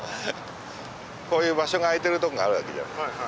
こういう場所が空いてるとこがあるわけじゃん。